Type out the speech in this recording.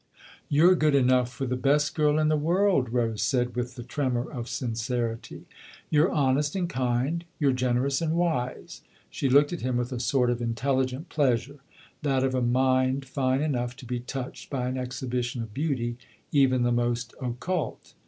" You're good enough for the best girl in the world," Rose said with the tremor of sincerity. " You're honest and kind ; you're generous and wise." She looked at him with a sort of intelligent pleasure, that of a mind fine enough to be touched by an exhibition of beauty even the most occult.